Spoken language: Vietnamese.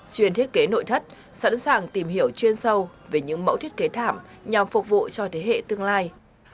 chuyên thiết kế nội thất sẵn sàng tìm hiểu chuyên sâu về những mẫu thiết kế thảm nhằm phục vụ cho thế hệ tương lai